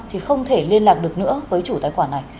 thì không thể liên lạc được nữa với chủ tài khoản này